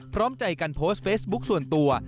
พร้อมใจกันโพสต์เฟซบุ๊คส่วนตัว